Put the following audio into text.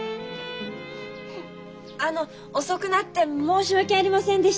あの遅くなって申し訳ありませんでした。